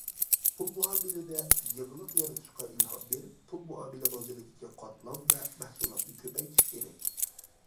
پۇل مۇئامىلىدە يېڭىلىق يارىتىشقا ئىلھام بېرىپ، پۇل مۇئامىلە بازىرىدىكى قاتلام ۋە مەھسۇلاتنى كۆپەيتىش كېرەك.